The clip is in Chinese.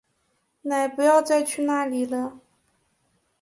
妳不要再去那里了